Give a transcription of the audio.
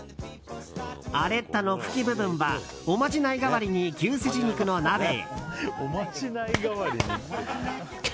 アレッタの茎部分はおまじない代わりに牛すじ肉の鍋へ。